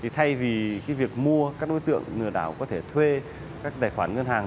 thay vì việc mua các đối tượng lừa đảo có thể thuê các tài khoản ngân hàng